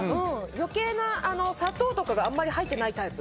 余計な砂糖とかがあんまり入ってないタイプ。